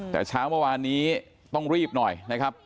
แต่เช้าเมื่อวานนี้ต้องรีบหน่อยนะครับ